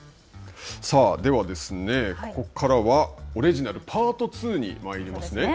ではですね、ここからはオレジナルパート２に参りますね。